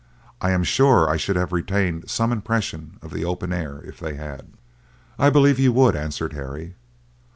I am sure I should have retained some impression of the open air if they had." "I believe you would," answered Harry.